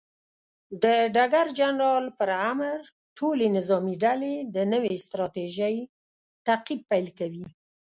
د ډګر جنرال پر امر، ټولې نظامي ډلې د نوې ستراتیژۍ تعقیب پیل کوي.